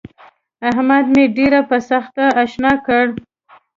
احمد مې ډېره په سختي اشنا کړ.